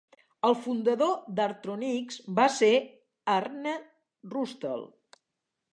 El fundador d'Artronix va ser Arne Roestel.